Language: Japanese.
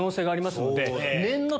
がありますので。